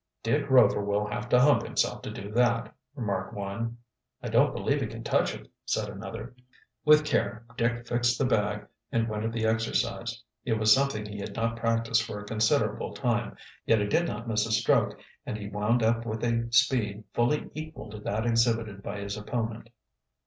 "Dick Rover will have to hump himself to do that," remarked one. "I don't believe he can touch it," said another. With care Dick fixed the bag and went at the exercise. It was something he had not practiced for a considerable time, yet he did not miss a stroke, and he wound up with a speed fully equal to that exhibited by his opponent.